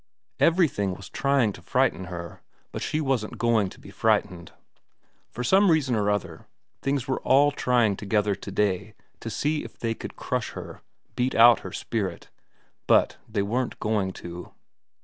Everything was trying to frighten her, but she wasn't going to be frightened. For some reason or other things were all trying together to day to see if they could crush her, beat out her spirit. But they weren't going to.